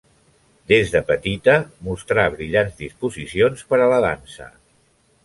Des de petita mostrà brillants disposicions per a la dansa.